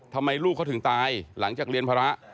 ทำไมลูกเขาถึงตายหลังจากเรียนภาระ